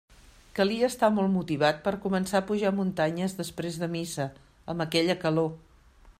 Calia estar molt motivat per a començar a pujar muntanyes després de missa, amb aquella calor.